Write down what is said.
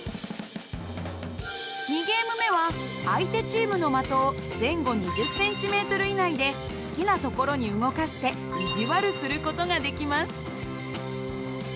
２ゲーム目は相手チームの的を前後２０ｃｍ以内で好きな所に動かして意地悪する事ができます。